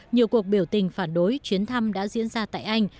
nhiều cuộc biểu tình phản đối chuyến thăm đã diễn ra tại anh